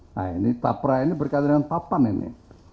nah ini tapra ini berkaitan dengan papan ini